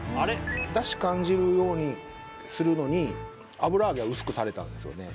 出汁感じるようにするのに油揚げは薄くされたんですよね